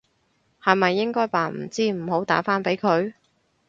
係咪應該扮唔知唔好打返俾佢？